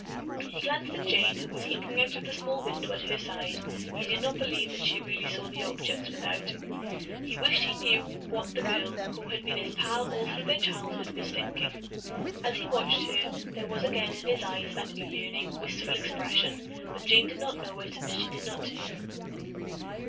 He glanced at Jane, who sat looking out of the small window at her side. He did not believe that she really saw the objects without. How he wished he knew what the girl, who had been his pal all through their childhood, was thinking. As he watched her, there was again in his eyes that yearning, wistful expression, but Jane did not know it as she did not turn.